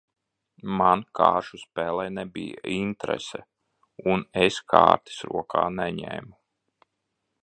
Man kāršu spēlei nebija interese un es kārtis rokā neņēmu.